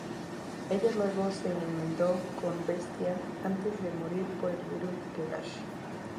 Ella luego se enmendó con Bestia antes de morir por el virus Legacy.